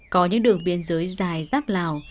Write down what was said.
có những đường biên giới dài rắp lào